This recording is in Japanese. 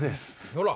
ほら！